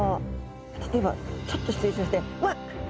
例えばちょっと失礼しましてわっ！